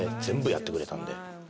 全部やってくれたんで。